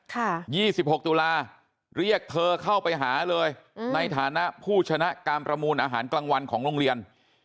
ยี่สิบหกตุลาเรียกเธอเข้าไปหาเลยในฐานะผู้ชนะการประมูลอาหารกลางวันของโรงเรียน